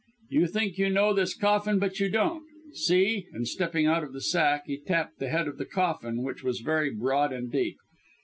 You think you know this coffin but you don't. See!" and stepping out of the sack he tapped the head of the coffin, which was very broad and deep.